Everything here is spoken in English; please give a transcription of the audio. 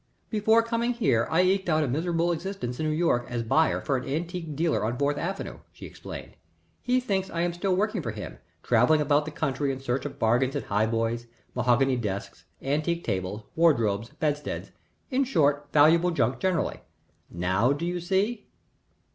"Before coming here I eked out a miserable existence in New York as buyer for an antique dealer on Fourth Avenue," she explained. "He thinks I am still working for him, travelling about the country in search of bargains in high boys, mahogany desks, antique tables, wardrobes, bedsteads in short, valuable junk generally. Now do you see?"